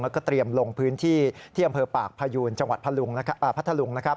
แล้วก็เตรียมลงพื้นที่ที่อำเภอปากพยูนจังหวัดพัทธลุงนะครับ